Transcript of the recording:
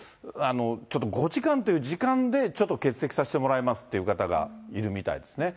ちょっと５時間という時間で、ちょっと欠席させてもらいますっていう方がいるみたいですね。